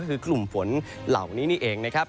ก็คือกลุ่มฝนเหล่านี้นี่เองนะครับ